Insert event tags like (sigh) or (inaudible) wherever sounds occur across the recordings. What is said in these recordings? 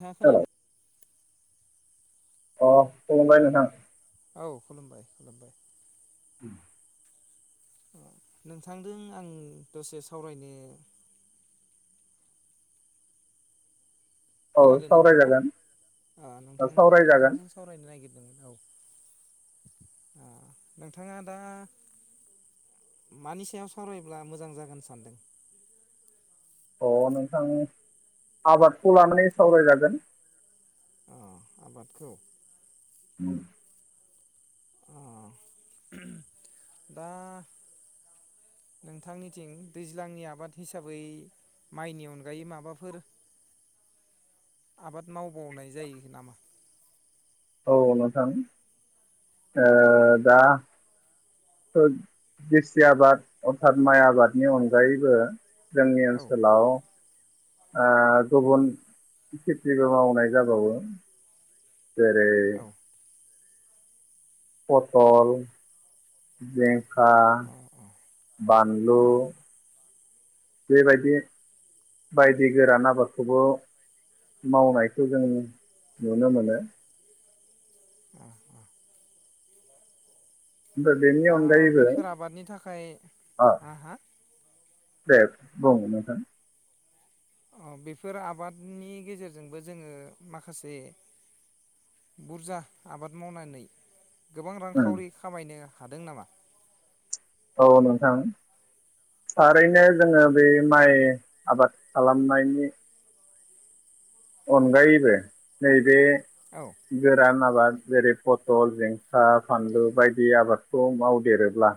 नोंथाङा हेल' खोनादों अ खुलुमबाय नोंथां औ खुलुमबाय खुलुमबाय उ नोंथांजों आं दसे सावरायनो औ खोनादों नोंथाङा सावरायजागोन ओ नोंथांनो सावरायजागोन नोंथांजों सावरायनो नागिरदों औ ओ नोंथाङा दा मानि सायाव सावरायब्ला मोजां जागोन सानदों अ नोंथां आबादखौ लानानै सावरायजागोन अ आबादखौ? (unintelligible) अ दा नोंथांनिथिं दैज्लांनि आबाद हिसाबै माइनि अनगायै माबाफोर आबाद मावबावनाय जायो नामा? औ नोंथां ओ दा ओ गेसि आबाद अर्थात माइ आबादनि अनगायैबो जोंनि औ ओनसोलाव ओ गुबुन खेथिबो मावनाय जाबावो। जेरै औ पथल बेे (unintelligible) खा अ बानलु अ बेबायदि बायदि गोरान आबादखौबो मावनायखौ जों नुनो मोनो। अ अ ओमफ्राय बेनि आ अनगायैबो बेफोर आबादनि थाखाय ओ आ हा दे बुं नोंथां अ बेफोर आबादनि गेजेरजोंबो जोङो माखासे बुरजा आबाद मावनानै गोबां उम रांखावरि खामायनो हादों नामा? औ नोंथां थारैनो जोङो बे माइ आबाद खालामनायनि अनगायैबो नैबे औ गोरान आबाद जेरै फथल जिंखा फानलु बायदि आबादखौ मावदेरोब्ला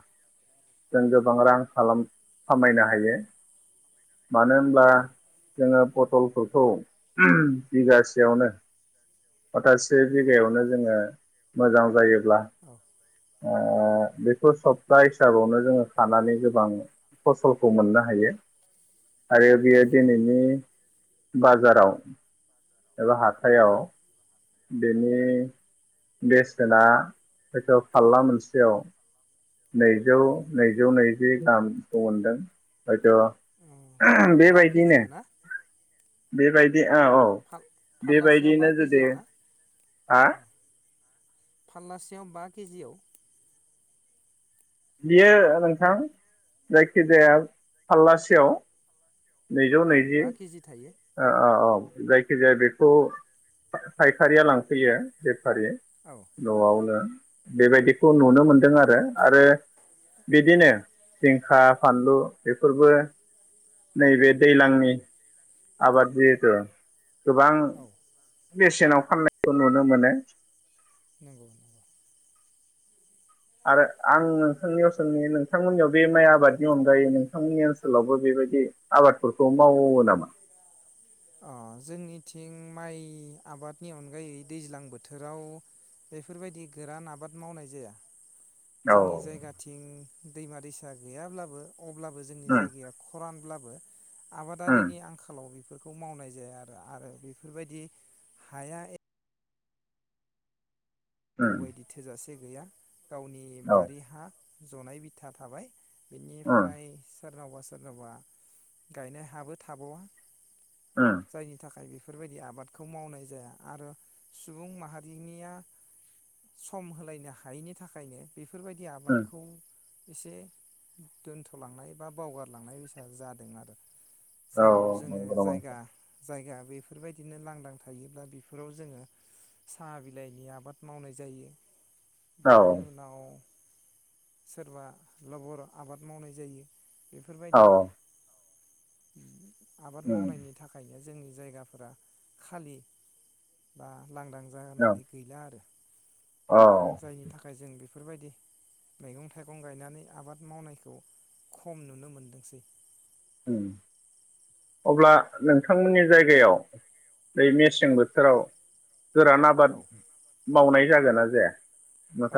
जों गोबां रां खालाम खामायनो हायो। मानो होनब्ला औ जोङो पथलफोरखौ (unintelligible) बिगासेयावनो खथासे नंगौ बिघायावनो जोङो मोजां जायो ब्ला औ ओ बेफोर सप्ता हिसाबावनो जोङो खानानै गोबां फसलखौ मोननो हायो‌। आरो अ बियो अ दिनैनि बाजाराव एबा औ हाथाइयाव बेनि बेसेना हयथ' फारला मोनसेयाव नैजौ औ नैजौ नैजि गाहामखौ मोनदों अ हयथ' बा बेबायदिनो केजियाव ना बेबायायदि ओ औ फाल्लासेयाव बा बेबायदियनो जुदि केजियाव हा फाललासेयाव बा केजिआव बियो नोंथां जायखिजाया फाललासेयाव नैजौ औ नैजि बा केजि थायो अ-अ-औ। जायखिजाया बेखौ फायखारिया लांफैयो बे फारि औ न'आवनो बेबायदिखौ नुनो मोनदों आरो आरो बिदिनो जिंखा फानलु बेफोरबो नैबे दैज्लांनि आबाद जिहेथु गोबां औ बेसेनाव फाननाय नुनो मोनो नंगौ (unintelligible) आरो आं नोंथांनियाव सोंनि नोंथांमोननियाव बे माइ आबादनि अनगायै नोंथांमोननि ओनसोलावबो बेबायदि आबादफोरखौ मावो नामा? अ जोंनिथिं माइ आबादनि अनगायै दैज्लां बोथोराव बेफोरबायदि गोरान आबाद मावनाय जाया। औ जोंनि जायगाथिं दैमा दैसा गैयाब्लाबो अब्लाबो जोंनि उम जायगाया खरानब्ला (unintelligible) उम आबादारिनि आंखालाव बे खौ मावनाय जाया आरो आरो बेफोरबायदि हाया ए (unintelligible) उम गैया‌। गावनि औ बारि हा जनाय बिथा थाबाय उम बिनिफ्राय सोरनावबा सोरनावबा गायनाय हाबो थाबावा। उम जायनि थाखाय बे बेफोरबायदि आबादखौ मावनाय जाया आरो सुबुं माहारिनिया सम होलायनो हायैनि थाखायनो बेफोरबायदि उम आबादखौ एसे दोनथलांनाय बा बावगारलांनाय बायसा जादों आरो। औ जेराव औ जोङो नंगौ नामा? जायगा जायगा बेफोरबायदिनो लांदां थायोब्ला बेफोराव जोङो साहा बिलाइनि आबाद मावनाय जायो। नोंथां? औ बिनि उनाव सोरबा लबर आबाद मावनाय जायो। औ बेफोरबायदि ह (inaudible) आबाद उम मावनायनि थाखाय जोंनि जायगाफोरा खालि बा लांदां औ जानानै गैला आरो औ जायनि थाखाय जों बेफोर बेफोरबायदि मैगं थाइगं गायनानै आबाद मावनायखौ खम नुनो मोनदोंसै अब्ला नोंथांमोननि जायगायाव मेसें औ बोथोराव गोरान आबाद औ मावनाय जागोनना जाया?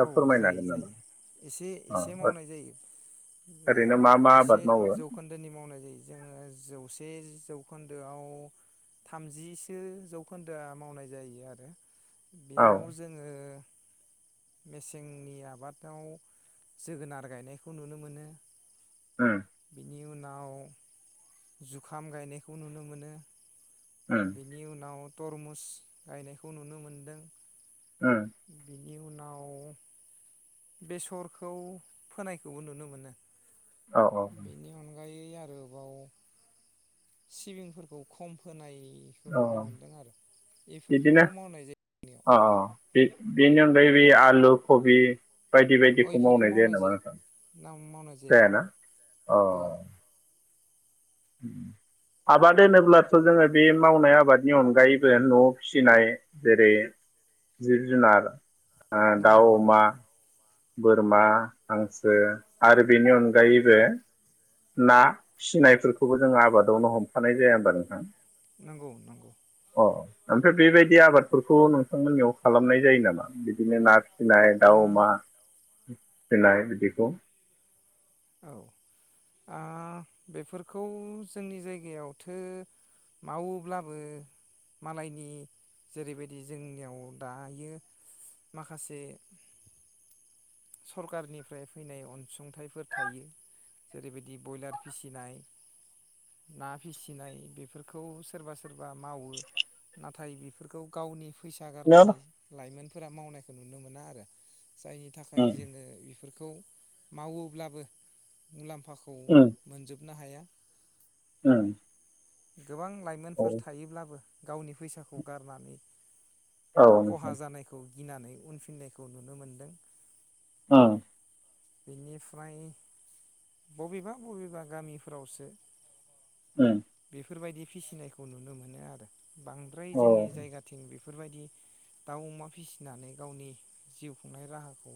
औ फोरमायनो जायो जायो हागोन एसे नामा एसे औ मावनाय जायो दा ओरैनो मा मा एसे आबाद मावो जौखोन्दोनि मावनाय जायो।। जोङो जौसे जौखोन्दोआव थामजिसो जौखोन्दोआ मावनाय जायो आरो। औ बेयाव जोङो मेसेंनि आबादाव जोगोनार गायनायखौ नुनो मोनो। उम बेनि उनाव नाव जुखाम गायनायखौ नुनो मोनो। उम बेनि उनाव तरमुस गायनायखौ नुनो मोनदों। उम बिनि इयुनाव बेसरखौ फोनायखौबो नुनो मोनो। औ औ औ गायै आरोबाव सिबिंफोरखौ खम फोनाय बेखौ औ नुनो मोनदों आरो बेफोरखौल' मावनाय जायो जोंनियाव।। बे-बेनि अनगायैबो बे आलु कबि बायदि बायदिखौ मावनाय जाया नामा नोंथां ना मावनाय जाया जायाना बेफोरखौ अ ओहो आबाद होनोब्लाथ' जोङो बे मावनाय आबादनि अनगायैबो न' फिसिनाय जेरै जिब जुनार ओ नंगौ दाउ अमा नंगौ बोरमा हांसो आरो बेनि अनगायैबो ना फिसिनायफोरखौबो जों आबादावनो हमफानाय जाया होमबा नोंथां। नंगौ नंगौ अ ओमफ्राय बेबायदि आबादफोरखौ नोंथांमोननियाव खालामनाय जायो नामा बिदिनो ना फिनाय आ दाउ अमा फिनाय बिदिखौ औ आ बेफोरखौ जोंनि जायगायावथो मावोब्लाबो मालायनि जेरैबायदि जोंनियाव दायो माखासे सरकारनिफ्राय फैनाय अनसुंथाइफोर थायो जेरैबायदि बयलार फिसिनाय ना फिसिनाय बेफोरखौ सोरबा सोर बा मावो। ना नाथाय बेफोरखौ गावनि फैसा उम गारनानै लाइमोन फोरा मावनायखौ नुनो मोना आरो जायनि थाखाय जोङो बेफोर खौ मावोब्लाबो मुलाम फाखौ उम मोनजोबनो हाया। उम गोबां औ लाइमोनफोर थायोब्लाबो गावनि फैसाखौ गारनानै औ खहा नोंथां जानायखौ गिनानै उनफिननायखौ नुनो मोनदों ओं बेनिफ्राय बबेबा बबेबा गामिफोरावसो उम फोर बायदि फिसिनायखौ नुनो मोनो आरो। बांद्राय औ जोंनि अ जायगाथिं बे बेफोरबायदि दाउ अमा फिसिनानै गावनि जिउ खुंनाय राहाखौ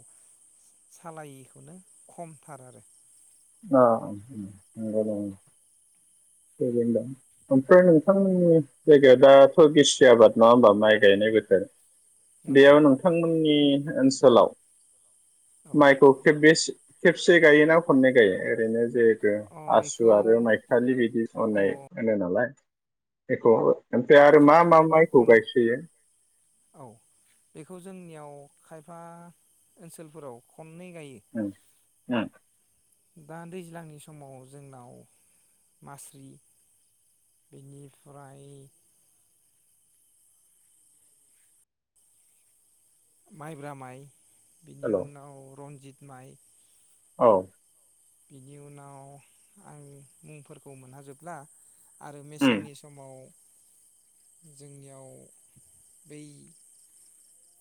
सालायि माने खमथार आरो। अ उम उम (inaudible) (unintelligible) ओमफ्राय नोंथांमोननि जायगाया दाथ' गिसि आबाद नङा होमबा माइ गायनाय बोथोर? नंगौ बेयाव नोंथांमोननि ओनसोलाव औ माइखौ खेबबेसे खेबसे गायोना खननै गायो ओरैनो जे अ आसु बेखौ आरो माइखालि बिदि अ (unintelligible) (unintelligible) मा खायफा मा खायफा माइखौ खन गायसोयो औ बेखौ जोंनियाव खायफा ओनसोलफोराव खन उम उम दा दैज्लांनि समाव जोंनाव मास्रि बिनिफ्राय माइब्रा माइ बिनि हेल' औ उनाव रनजित माइ औ। बिनि उनाव आं मुंफोरखौ मोनहाजोबला आरो मेसेंनि समाव। जोंनियाव बै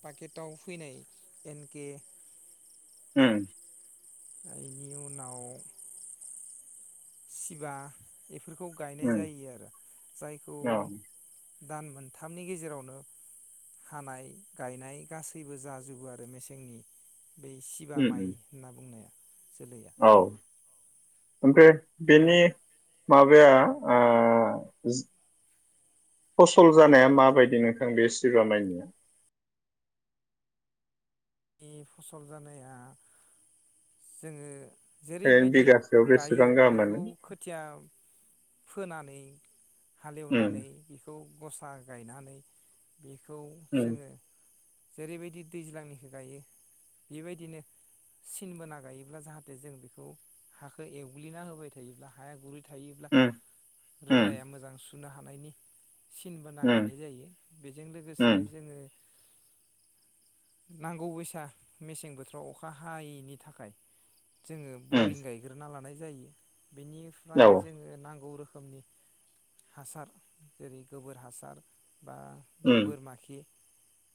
पाकेटाव फैनाय एनके उम। आरो बेनि उनाव सिबा। बेफोरखौ गायनाय उम जायो आरो जायखौ औ दान मोनथामनि गेजेरावनो हानाय गायनाय गासैबो जाजोबो आरो मेसेंनि बै सिबा उम माइ उम होनना बुंनाया। जोलैया औ। ओमफ्राय बेनि माबाया आ फसल जानाया माबायदि नोंथां बे सिबा माइनिया नि फसल जानाया जोङो ओरैनो जेरैबायदि बिगासेयाव गायो बेसेबां गाहाम बेखौ मोनो खोथिया फोनानै उम हालेवनानै बेखौ गसा गायनानै बेखौ उम जोङो जेरैबायदि दैज्लांनि गायो बेबायदिनो सिन बोना गायोब्ला जाहाथे जों बेखौ हाखौ एवग्लिना होबाय थायोब्ला हाया गुरै थायोब्ला उम उम रोदाया मोजां सु बुखुनो हानायनि सिनबाना उम गायनाय जायो बेजों लोगोसे उम जोङो नांगौ बैसा मेसें बोथोराव अखा हायैनि थाखाय जोङो उम बरिं गायग्रोना लानाय जायो। बिनिफ्राय औ जोङो नांगौ रो खोमनि हासार जेरै गोबोर हासार बा उम बोरमा खि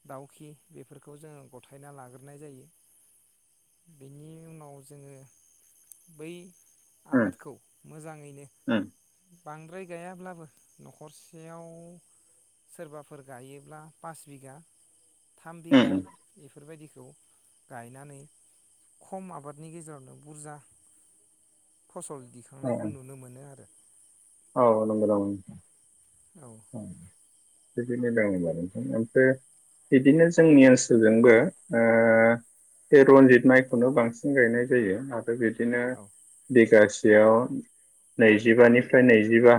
दाउखि बेफोरखौ खौ जोङो गथायना लाग्रोनाय जायो बेनि उनाव जोङो बै उम उम आबादखौ मोजाङैनो उम बांद्राय गायाब्लाबो न'खरसेयाव सोरबाफोर गायोब्ला पास बिघा थाम बि बिगा उम बेफोरबायदिखौ गायनानै खम आबादनि गेजेरावनो बुरजा फसल औ दिखांनायखौ नुनो मोनो आरो। औ नांगौ (unintelligible) औ (unintelligible) बिदिनो बिगासे- याव नैजिबानि निफ्राय नैजिबा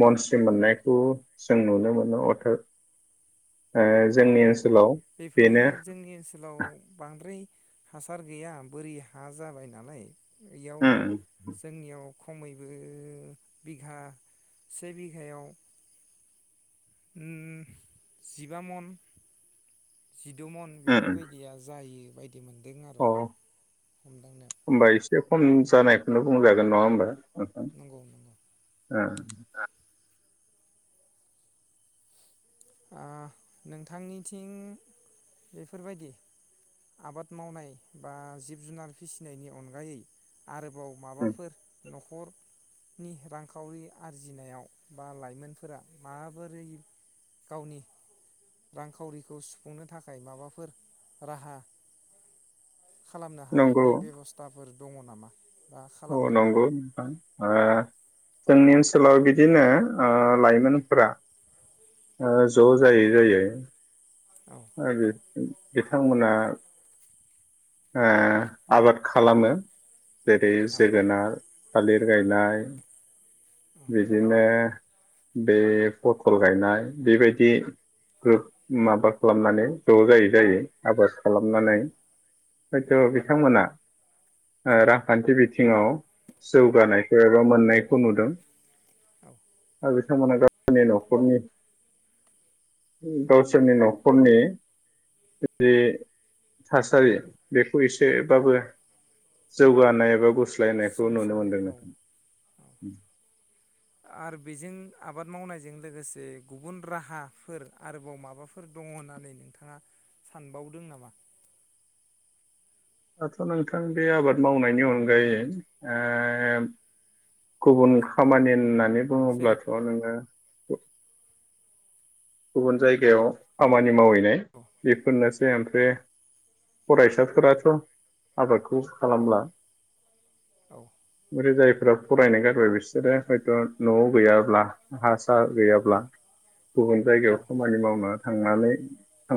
मनस्रि मोननायखौ जों नुनो मोनो अथो ओ अ जोंनि अ अ ओनसोलाव बेफोरो बेनो जोंनि ओनसोलाव बांद्राय हासार गैया बोरि हा जाबाय नालाय इयाव उम उम जोंनियाव खमैबो बिगा से बिगायाव उम जिबामन जिद' मन उम बेफोरबायदिया जायो। बिदि मोनदों आरो अ हमदांनायाव होमबा एसे खम जानायखौनो बुंजागोन नङा होमबा। नंगौ नंगौ ओं आ नोंथांनिथिं बेफोरबायदि आबाद मावनाय बा जिब जुनार फिसिनायनि अनगायै आरोबाव उम माबाफोर न'खरनि रांखावरि आरजिनायाव बा लाइमोनफोरा माबोरै गावनि रांखावरिखौ सुफुंनो थाखाय माबाफोर राहा खालामनो नंगौ हानायनि बेबस्थाफोर दङ नामा बा औ खालामदों नंगौ नामा नोंथां ओ जोंनि ओनसोलाव बिदिनो ओ लाइमोनफोरा ओ ज' जायै जायै औ आरोे बिथांमोना ओ आबाद खालामो जेरै औ जोगोनार, थालिर गायनाय बिदिनो बे फथल गायनाय बेबायदि ग्रोब माबा खालामनानै ज' जायै जायै आबास औ खालामनानै हयथ' औ बिथांमोना ओ रांखान्थि बिथि ङाव जौगानायखौ एबा मोननायखौ नुदों औ आरो बिथांमोना गावनि न'खनि गावसोरनि न'खरनि जि थासारि बेखौ एसेबाबो जौगानाय एबा गुस्लायनायखौ नुनो सुंस'नाय मोनदों औ नोथां। आरो बेजों आबाद मावनायजों लोगोसे गुबुन राहाफोर आरोबाव माबाफोर दङ होननानै नोंथाङा सानबावदों नामा? दाथ' नोंथां बे आबाद मावनायनि अनगायै ओ गुबुन खामानि होननानै जेरै बुङोब्लाथ' नोङो गुबुन जायगायाव खामानि मावहै नाय औ बेफोरनोसै। ओमफ्राय फरायसाफोराथ' आबादखौ औ खालामला औ ओरै जायफोरा फरायनाय गारबाय बिसोरो हयथ' न'आव गैयाब्ला हा हा गैयाब्ला गुबुन औ जायगायाव खामानि मावनो थांनानै थां